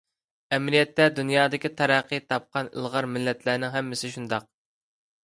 ئەمەلىيەتتە، دۇنيادىكى تەرەققىي تاپقان ئىلغار مىللەتلەرنىڭ ھەممىسى شۇنداق.